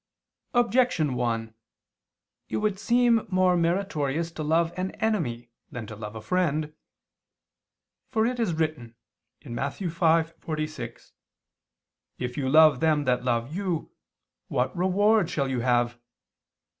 Objection 1: It would seem more meritorious to love an enemy than to love a friend. For it is written (Matt. 5:46): "If you love them that love you, what reward shall you have?"